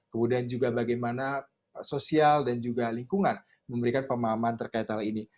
kemudian juga bagaimana sosial dan juga lingkungan memberikan pemahaman terkait hal ini